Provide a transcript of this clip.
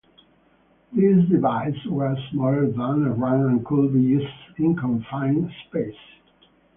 These devices were smaller than a ram and could be used in confined spaces.